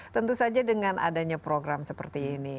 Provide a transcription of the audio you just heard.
tentu saja dengan adanya program seperti ini